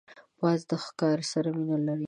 باز د ښکار سره مینه لري